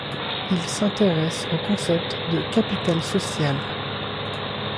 Il s'intéresse au concept de 'capital social'.